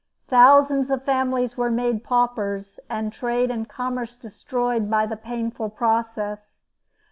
Thousands of families were made paupers, and trade and commerce destroyed by the painful process.